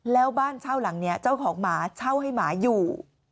แล้วบ้านเช่าหลังนี้เจ้าของหมาเช่าให้หมาอยู่